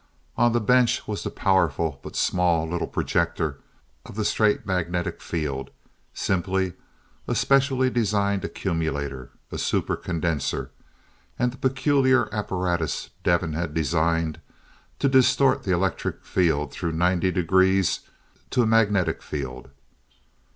On the bench was the powerful, but small, little projector of the straight magnetic field, simply a specially designed accumulator, a super condenser, and the peculiar apparatus Devin had designed to distort the electric field through ninety degrees to a magnetic field.